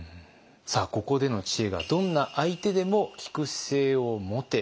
さあここでの知恵が「どんな相手でも聞く姿勢を持て」。